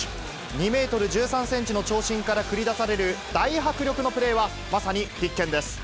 ２メートル１３センチの長身から繰り出される大迫力のプレーは、まさに必見です。